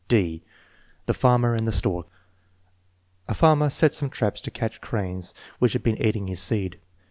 (d) The Farmer and the Stork A farmer set some traps to catch cranes which had been eating his seed.